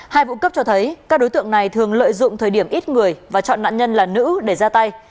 hai vụ cấp cho thấy các đối tượng này thường lợi dụng thời điểm ít người và chọn nạn nhân là nữ để ra tay